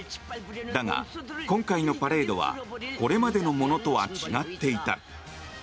だが、今回のパレードはこれまでのものとは違っていた。